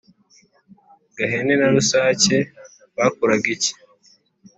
Gahene na Rusake bakoraga iki?